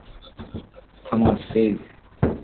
Thomas, please!